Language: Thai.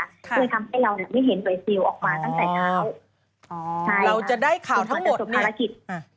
ด้วยทำให้เราเนี้ยไม่เห็นหน่วยซิลออกมาตั้งแต่เขาอ๋อเราจะได้ข่าวทั้งหมดเนี้ย